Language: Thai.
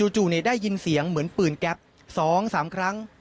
จู่ได้ยินเสียงเหมือนปืนแก๊ป๒๓ครั้ง